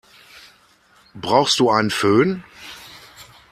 Brauchst du einen Fön?